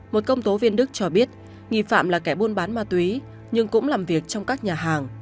một công tố viên đức cho biết nghi phạm là kẻ buôn bán ma túy nhưng cũng làm việc trong các nhà hàng